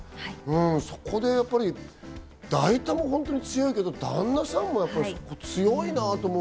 そこでやっぱり、だいたも本当に強いけど旦那さんも強いなと思う。